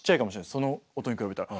その音に比べたら。